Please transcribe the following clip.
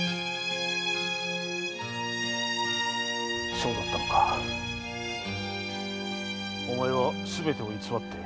そうだったのかお前はすべてを偽って。